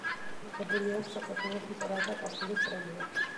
მიღებული აქვს საქართველოს მწერალთა კავშირის პრემია.